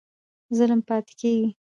ظلم پاتی کیږي؟